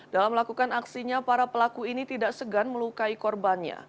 dalam melakukan aksinya para pelaku ini tidak segan melukai korbannya